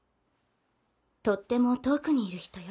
とっても遠くにいる人よ。